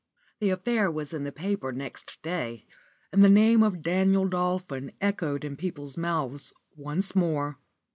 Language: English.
The affair was in the papers next day, and the name of Daniel Dolphin echoed in people's mouths once more.